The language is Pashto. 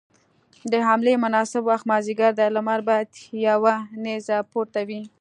د حملې مناسب وخت مازديګر دی، لمر بايد يوه نيزه پورته وي.